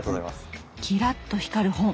キラッと光る本！